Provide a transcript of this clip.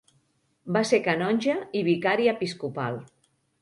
Va ser canonge i vicari episcopal.